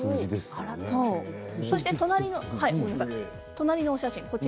そして隣のお写真